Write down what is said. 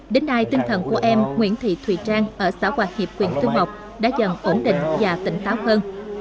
đến nay tinh thần của em nguyễn thị thùy trang ở xã hoàng hiệp quyền thương mộc đã dần ổn định và tỉnh táo hơn